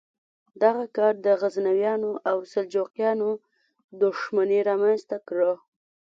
دغه کار د غزنویانو او سلجوقیانو دښمني رامنځته کړه.